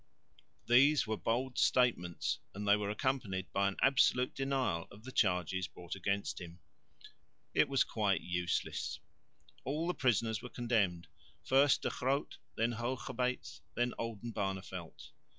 These were bold statements, and they were accompanied by an absolute denial of the charges brought against him. It was quite useless. All the prisoners were condemned, first De Groot, then Hoogerbeets, then Oldenbarneveldt.